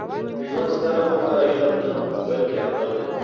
د ژوند ستره موخه علم نه؛ بلکي عمل دئ.